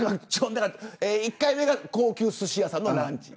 １回目が高級すし屋さんのランチ